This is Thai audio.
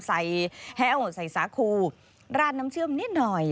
ใส่แห้วใส่สาคูราดน้ำเชื่อมนิดหน่อย